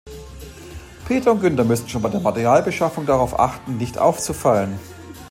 Peter und Günther müssen schon bei der Materialbeschaffung darauf achten, nicht aufzufallen.